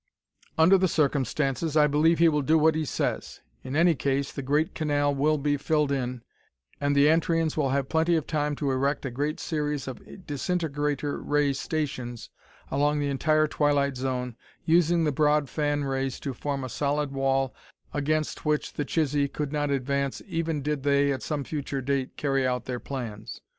"Under the circumstances, I believe he will do what he says; in any case, the great canal will be filled in, and the Antrians will have plenty of time to erect a great series of disintegrator ray stations along the entire twilight zone, using the broad fan rays to form a solid wall against which the Chisee could not advance even did they, at some future date, carry out their plans.